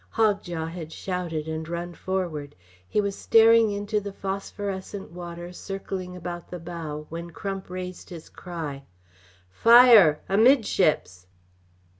Hogjaw had shouted and run forward. He was staring into the phosphorescent water circling about the bow when Crump raised his cry: "Fire amidships!"